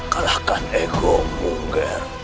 kalahkan egomu ger